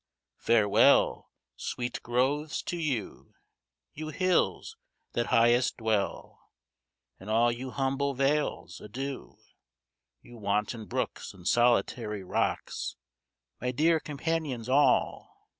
Farewell! Sweet groves, to you! You hills, that highest dwell; And all you humble vales, adieu! You wanton brooks, and solitary rocks, My dear companions all!